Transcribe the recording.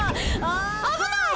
あぶない！